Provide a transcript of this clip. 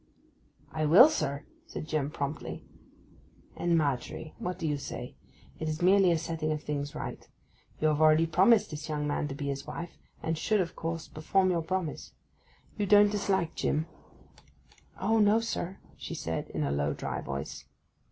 'I will, sir,' said Jim promptly. 'And Margery, what do you say? It is merely a setting of things right. You have already promised this young man to be his wife, and should, of course, perform your promise. You don't dislike Jim?' 'O, no, sir,' she said, in a low, dry voice.